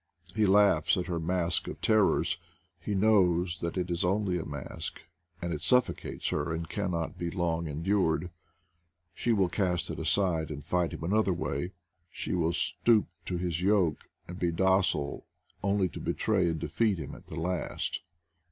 He laughs at her mask of ter rors — he knows that it is only a mask; and it suffocates her and cannot be long endured. She will cast it aside and fight him another way. She will stoop to his yoke and be docile only to betray and defeat him at the last.